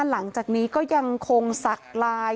หลังจากนี้ก็ยังคงสักลาย